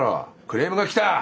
クレームが来た！